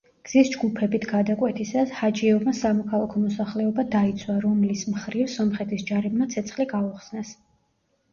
გზის ჯგუფებით გადაკვეთისას, ჰაჯიევმა სამოქალაქო მოსახლეობა დაიცვა, რომლის მხრივ სომხეთის ჯარებმა ცეცხლი გაუხსნეს.